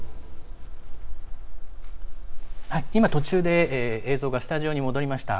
今、途中で映像がスタジオに戻りました。